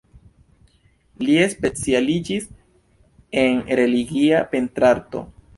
Li specialiĝis en religia pentrarto.